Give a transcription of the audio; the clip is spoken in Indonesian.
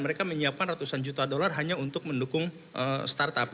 mereka menyiapkan ratusan juta dolar hanya untuk mendukung startup